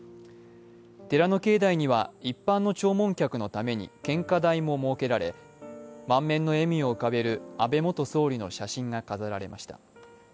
寺の境内には一般の弔問客のために献花台も設けられ、満面の笑みを浮かべる安倍元総理の写真が飾られました。